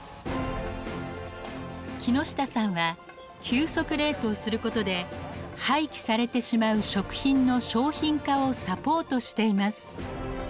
木下さんは急速冷凍することで廃棄されてしまう食品の商品化をサポートしています。